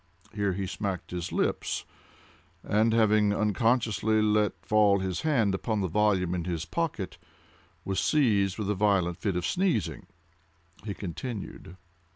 Here he smacked his lips, and, having unconsciously let fall his hand upon the volume in his pocket, was seized with a violent fit of sneezing. He continued.